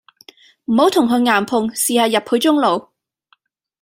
唔好同佢硬碰，試下入佢中路